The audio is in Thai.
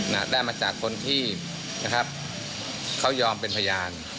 น่ะได้มาจากคนที่นะครับเขายอมเป็นพยาน